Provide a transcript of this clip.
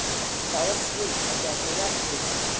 And he fell asleep again directly.